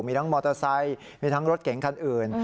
มีทั้งมอเตอร์ไซค์มีทั้งรถเก๋งคันอื่น